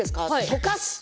溶かす。